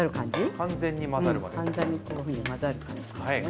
完全にこういうふうに混ざる感じですね。